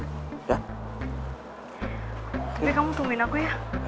ini kamu tungguin aku ya